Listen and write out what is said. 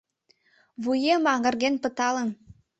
Вуем аҥырген пыталын.